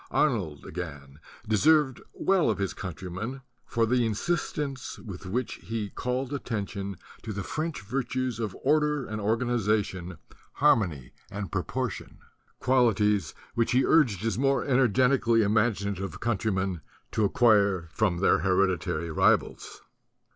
Arnold, again, deserved well of his countrymen for the insistence with which he called attention to the French virtues of order and organization, harmony and proportion, 3 THE DUTY OF THE INTELLECTUALS qualities which he urged his more energetically imaginative countrymen to acquire from their hereditary rivals.